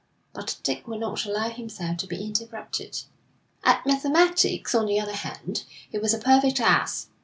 But Dick would not allow himself to be interrupted. 'At mathematics, on the other hand, he was a perfect ass.